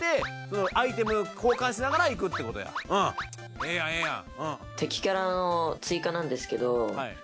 ええやんええやん！